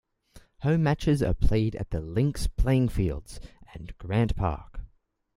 Home matches are played at the Links Playing Fields and Grant Park.